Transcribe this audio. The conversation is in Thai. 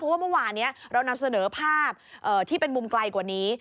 เพราะว่าเมื่อวานนี้เรานำเสนอภาพที่เป็นมุมไกลกว่านี้